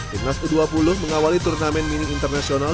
timnas u dua puluh mengawali turnamen mini internasional